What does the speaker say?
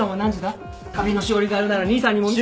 旅のしおりがあるなら兄さんにも見せ。